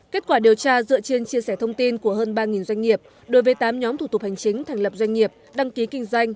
kết quả điều tra dựa trên chia sẻ thông tin của hơn ba doanh nghiệp đối với tám nhóm thủ tục hành chính thành lập doanh nghiệp đăng ký kinh doanh